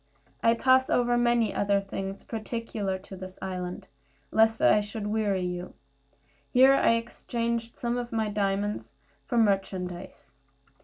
I pass over many other things peculiar to this island, lest I should weary you. Here I exchanged some of my diamonds for merchandise.